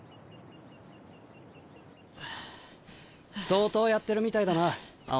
相当やってるみたいだな青井。